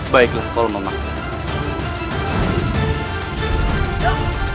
baiklah kau memaksa